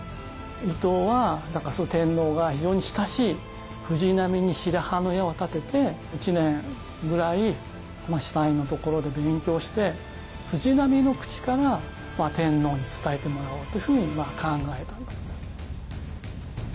伊藤は天皇が非常に親しい藤波に白羽の矢を立てて１年ぐらいシュタインのところで勉強して藤波の口から天皇に伝えてもらおうというふうに考えたわけです。